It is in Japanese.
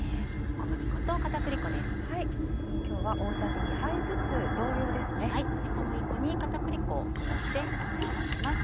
小麦粉に片栗粉を加えて混ぜ合わせます。